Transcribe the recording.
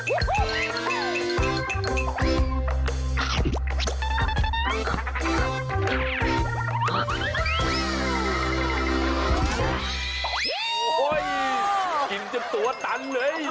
โอ้โห้ยอิ่มจะตัวตันเลย